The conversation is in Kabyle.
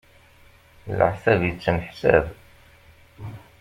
Leɛtab i ttneḥsab.